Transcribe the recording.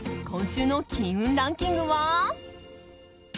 今週の金運ランキングは？